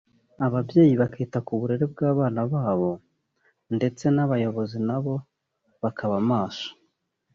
ababyeyi bakita ku burere bw’abana babo ndetse n’abayobozi nabo bakaba maso